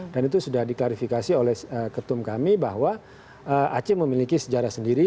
dan itu sudah diklarifikasi oleh ketum kami bahwa aceh memiliki sejarah sendiri